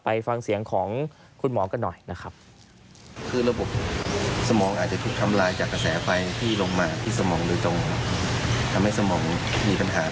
สุกไปนะครับแล้วแต่มีอะไรมีนะครับสุกก็ได้ไม่เป็นไรนะครับ